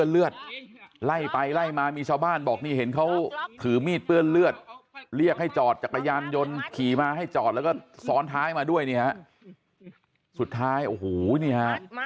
เลือดไล่ไปไล่มามีชาวบ้านบอกนี่เห็นเขาถือมีดเปื้อนเลือดเรียกให้จอดจักรยานยนต์ขี่มาให้จอดแล้วก็ซ้อนท้ายมาด้วยนี่ฮะสุดท้ายโอ้โหนี่ฮะ